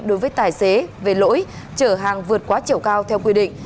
đối với tài xế về lỗi chở hàng vượt quá chiều cao theo quy định